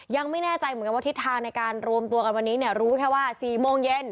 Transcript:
ยังไม่แน่ใจเหมือนกันว่าทิศทางในการรวมตัวกันวันนี้เนี่ยรู้แค่ว่า๔โมงเย็น